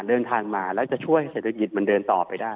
เดินทางมาแล้วจะช่วยให้เศรษฐกิจมันเดินต่อไปได้